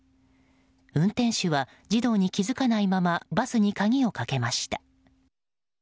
運転手は児童に気づかないままバスに鍵をかけました。